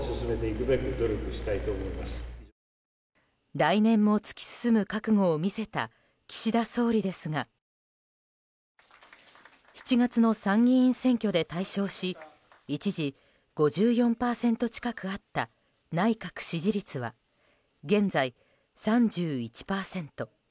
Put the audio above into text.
来年も突き進む覚悟を見せた岸田総理ですが７月の参議院選挙で大勝し一時、５４％近くあった内閣支持率は現在、３１％。